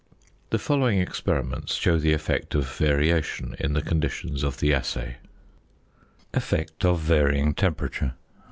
The following experiments show the effect of variation in the conditions of the assay: ~Effect of Varying Temperature.